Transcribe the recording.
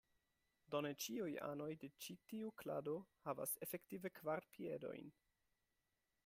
Do ne ĉiuj anoj de ĉi tiu klado havas efektive kvar piedojn.